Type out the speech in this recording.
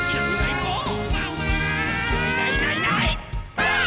ばあっ！